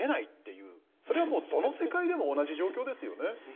それはもうどの世界でも同じ状況ですよね。